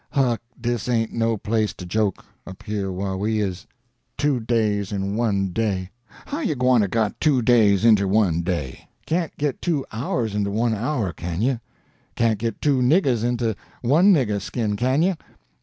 Huck, dis ain't no place to joke—up here whah we is. Two days in one day! How you gwine to get two days inter one day? Can't git two hours inter one hour, kin you? Can't git two niggers inter one nigger skin, kin you?